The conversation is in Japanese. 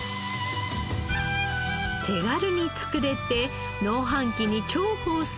手軽に作れて農繁期に重宝するひと品です。